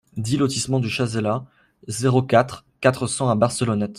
dix lotissement du Chazelas, zéro quatre, quatre cents à Barcelonnette